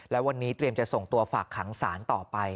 แล้ววันนี้เตรียมจะส่งตัวฝากขังสารต่อไป